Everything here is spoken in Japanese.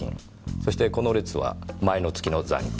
そしてこの列は前の月の残金。